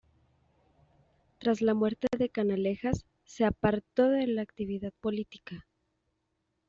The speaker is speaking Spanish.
Tras la muerte de Canalejas, se apartó de la actividad política.